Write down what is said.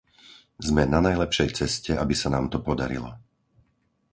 Sme na najlepšej ceste, aby sa nám to podarilo.